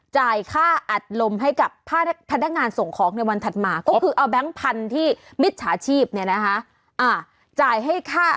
จ่ายค่าอัดลมให้กับพนักงานส่งของในวันถัดมาก็คือเอาแบงค์พันธุ์ที่มิจฉาชีพเนี่ยนะคะ